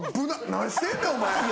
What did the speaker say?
何してんねんお前。